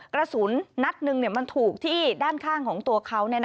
กระสุนนัดหนึ่งมันถูกที่ด้านข้างของตัวเขา